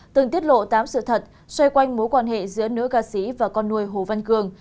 từng tiết lộ tám sự thật xoay quanh mối quan hệ giữa nữ ca sĩ và con nuôi hồ văn cường